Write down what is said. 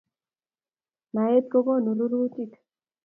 Naet kokonu rurutik